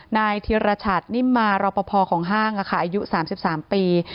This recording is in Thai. นายธิรชัตนิมมารอปภของห้างอายุ๓๓ปี